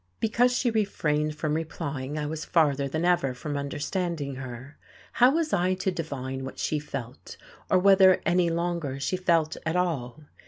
Because she refrained from replying I was farther than ever from understanding her. How was I to divine what she felt? or whether any longer she felt at all?